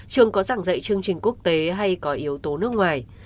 trường có giảng dạy chương trình quốc tế hay có yếu tố nước ngoài